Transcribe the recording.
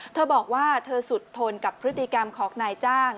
เธอบอกว่าเธอสุดทนกับพฤติกรรมของนายจ้าง